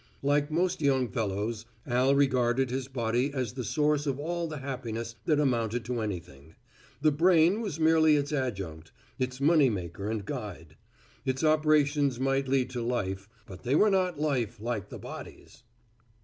Like most young fellows, Al regarded his body as the source of all the happiness that amounted to anything. The brain was merely its adjunct, its money maker and guide. Its operations might lead to life, but they were not life like the body's.